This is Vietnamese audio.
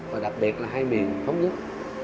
và đặc biệt là hai miền thống nhất